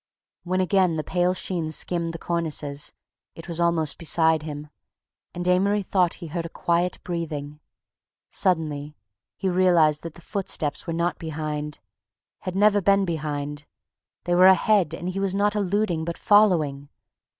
When again the pale sheen skimmed the cornices, it was almost beside him, and Amory thought he heard a quiet breathing. Suddenly he realized that the footsteps were not behind, had never been behind, they were ahead and he was not eluding but following...